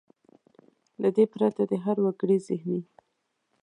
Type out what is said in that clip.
له دې پرته د هر وګړي زهني .